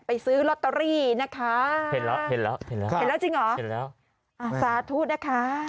ไปซื้อลอตเตอรี่นะคะเห็นแล้วสาธุนะคะ